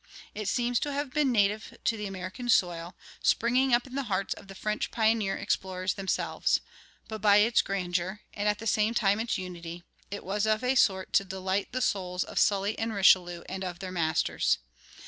It seems to have been native to the American soil, springing up in the hearts of the French pioneer explorers themselves;[18:1] but by its grandeur, and at the same time its unity, it was of a sort to delight the souls of Sully and Richelieu and of their masters.